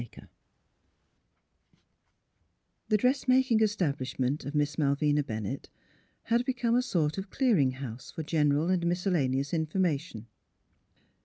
KER The dressmaking establishment of Miss Malvina Bennett had become a sort of clearing house for general and miscellaneous information.